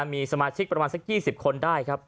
มีสมาชิกประมาณสัก๒๐คนได้ครับ